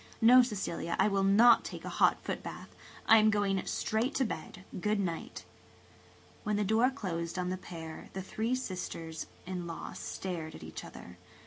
No, Cecilia, I will not take a hot footbath. I am going straight to bed. Good night." When the door closed on the pair the three sisters in laws stared at each other.